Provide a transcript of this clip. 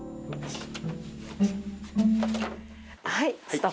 はい。